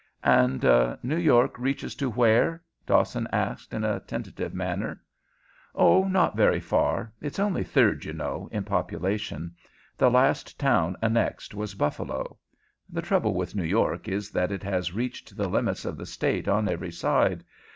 "And New York reaches to where?" Dawson asked, in a tentative manner. "Oh, not very far. It's only third, you know, in population. The last town annexed was Buffalo. The trouble with New York is that it has reached the limits of the State on every side.